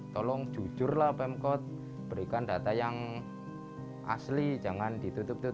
tolong jujurlah pemkot berikan data yang asli jangan ditutup tutup